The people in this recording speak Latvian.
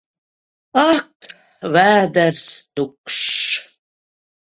Ak! Vēders tukšs!